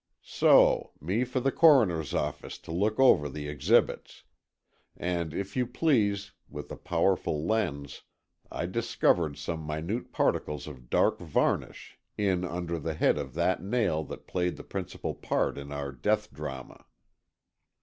So, me for the Coroner's office to look over the exhibits. And, if you please, with a powerful lens, I discovered some minute particles of dark varnish in under the head of that nail that played the principal part in our death drama."